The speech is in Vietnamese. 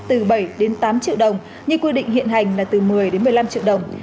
từ bảy tám triệu đồng như quy định hiện hành là từ một mươi một mươi năm triệu đồng